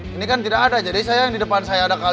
tapi kenapa jadi berantemnya sama kau